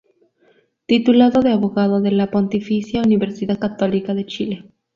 Titulado de abogado de la Pontificia Universidad Católica de Chile.